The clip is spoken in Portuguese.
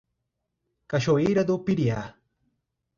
Cachoeira do Piriá